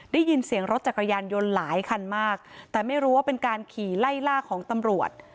ได้ยินเสียงรถจักรยานยนต์หลายคันมากแต่ไม่รู้ว่าเป็นการขี่ไล่ล่าของตำรวจ